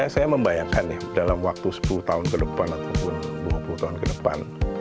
saya membayangkan ya dalam waktu sepuluh tahun ke depan ataupun dua puluh tahun ke depan